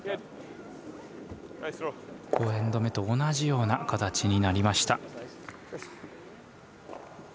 ５エンド目と同じような形になりました。